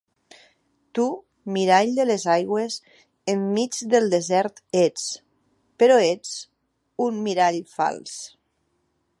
Tu, mirall de les aigües, enmig del desert ets, però ets un mirall fals.